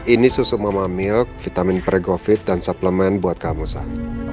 ini susu mama milk vitamin pre covid dan suplemen buat kamu sah